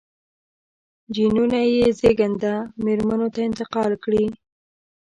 جینونه یې زېږنده مېرمنو ته انتقال کړي.